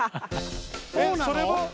それは。